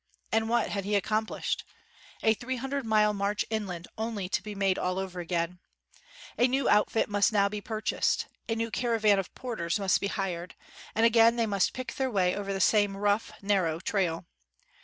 And what had he accomplished? A three hun dred mile march inland only to be made all over again ! A new outfit must now be pur chased; a new caravan of porters must be hired; and again they must pick their way over the same rough, narrow trail.